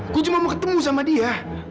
ku cuma mau ketemu sama dia